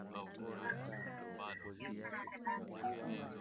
nchi ya Uingereza ilikuwa inaunga mkono serikali kwa